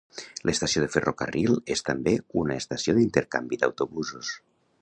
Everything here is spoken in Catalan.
L'estació de ferrocarril és també una estació d'intercanvi d'autobusos.